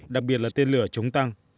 đặc biệt là tên lửa chống tăng